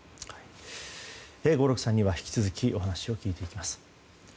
合六さんには引き続きお話を聞いていきます。